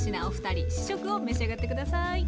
お二人試食を召し上がって下さい。